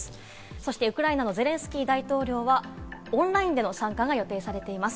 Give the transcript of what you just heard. そしてウクライナのゼレンスキー大統領は、オンラインでの参加が予定されています。